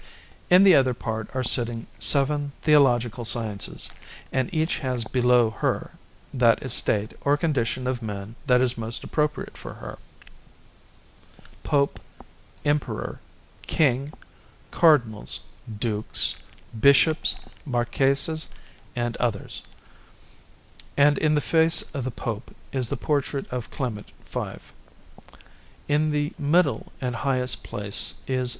In the other part are sitting seven Theological Sciences, and each has below her that estate or condition of man that is most appropriate to her Pope, Emperor, King, Cardinals, Dukes, Bishops, Marquises, and others; and in the face of the Pope is the portrait of Clement V. In the middle and highest place is S.